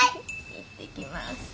行ってきます。